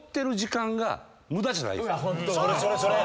それそれそれ！